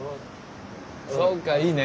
そうかいいね。